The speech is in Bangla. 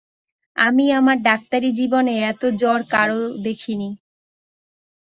আমি আমার ডাক্তারি জীবনে এত জ্বর কারো দেখি নি।